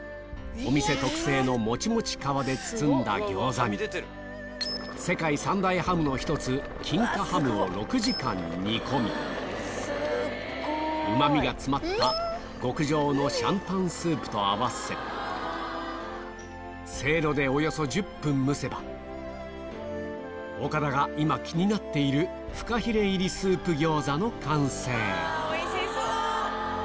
お店特製のもちもち皮で包んだ餃子に世界３大ハムの１つ金華ハムを６時間煮込みうまみが詰まった極上の上湯スープと合わせせいろで岡田が今気になっているフカヒレ入りスープ餃子の完成おいしそう！